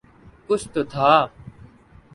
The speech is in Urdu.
کچھ تو تھا۔